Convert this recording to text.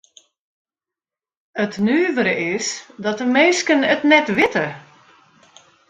It nuvere is dat de minsken it net witte.